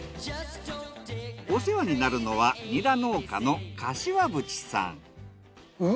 お世話になるのはニラ農家の柏渕さん。